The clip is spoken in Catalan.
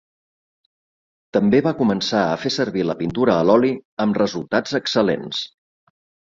També va començar a fer servir la pintura a l'oli amb resultats excel·lents.